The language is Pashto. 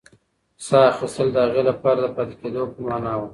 ساه اخیستل د هغې لپاره د پاتې کېدو په مانا وه.